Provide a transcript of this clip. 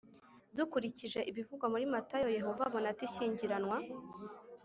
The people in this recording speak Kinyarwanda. Dukurikije ibivugwa muri Matayo Yehova abona ate ishyingiranwa